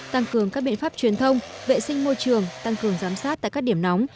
tăng cường các biện pháp truyền thông vệ sinh môi trường tăng cường giám sát tại các điểm nóng